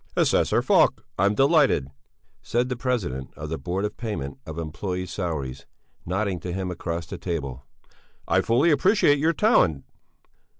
"Assessor Falk! I'm delighted!" said the President of the Board of Payment of Employés' Salaries, nodding to him across the table. "I fully appreciate your talent."